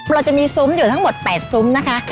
เราจะมีซุ้มอยู่ทั้งหมด๘ซุ้มนะคะ